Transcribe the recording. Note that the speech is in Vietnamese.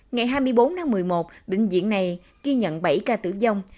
ngày hai mươi bốn tháng một mươi một bệnh viện này ghi nhận bảy ca tử vong